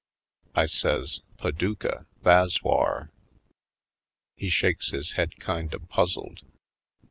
I says: "Paducah — tha's whar." He shakes his head kind of puzzled.